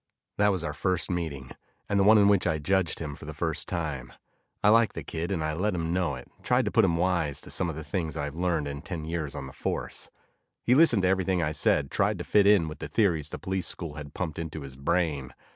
That was our first meeting, and the one in which I judged him for the first time. I liked the kid and I let him know it, tried to put him wise to some of the things I've learned in ten years on the force. He listened to everything I said, tried to fit it in with the theories the police school had pumped into his brain.